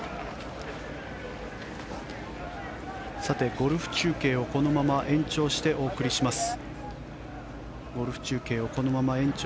ゴルフ中継をこのまま延長してお送りします。